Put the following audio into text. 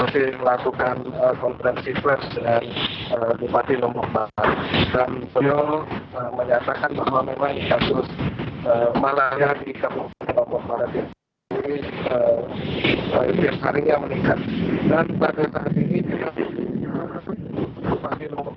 selanjutnya kami masih melakukan konferensi flash dengan bupati lombok barat